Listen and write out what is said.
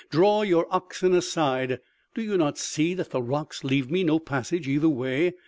Draw your oxen aside.... Do you not see that the rocks leave me no passage either way?...